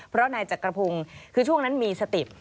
เพราะนายจักรพงศ์คือช่วงนั้นมีสติ